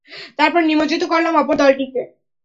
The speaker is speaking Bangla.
তারপর নিমজ্জিত করলাম অপর দলটিকে।